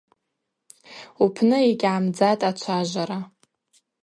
Упны йгьгӏамдзатӏ ачважвара.